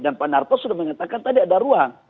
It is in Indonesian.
dan pak narto sudah mengatakan tadi ada ruang